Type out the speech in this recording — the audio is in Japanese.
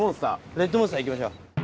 レッドモンスターいきましょう。